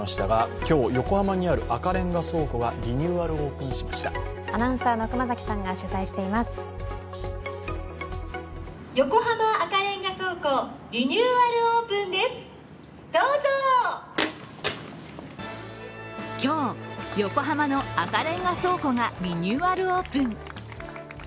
今日、横浜の赤レンガ倉庫がリニューアルオープン。